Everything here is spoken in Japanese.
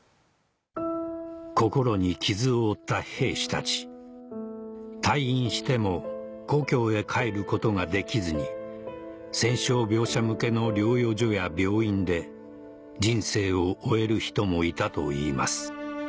心に傷を負った兵士たち退院しても故郷へ帰ることができずに戦傷病者向けの療養所や病院で人生を終える人もいたといいます